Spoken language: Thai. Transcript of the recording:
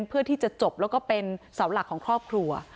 เพื่อที่จะจบแล้วก็เป็นเสาหลักของครอบครัว